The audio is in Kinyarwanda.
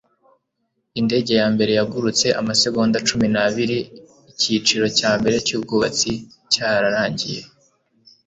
indege ya mbere yagurutse amasegonda cumi n'abiri icyiciro cya mbere cyubwubatsi cyararangiye